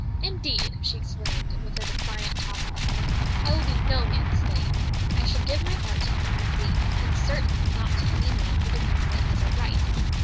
"Indeed!" she exclaimed, with a defiant toss of the head, "I will be no man's slave; I shall give my heart to whom I please, and certainly not to any man who demands it as a right."